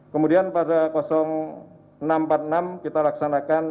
kemudian pada jam enam empat puluh enam kita laksanakan